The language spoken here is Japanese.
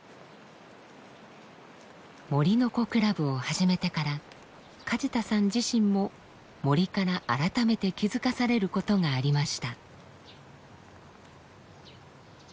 森の子クラブを始めてから梶田さん自身も森から改めて気付かされることがありました。